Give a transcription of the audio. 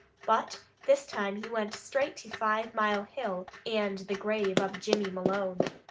But this time he went straight to Five Mile Hill, and the grave of Jimmy Malone.